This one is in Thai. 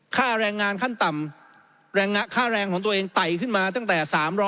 ค่าแรงงานขั้นต่ำค่าแรงของตัวเองไต่ขึ้นมาตั้งแต่๓๐๐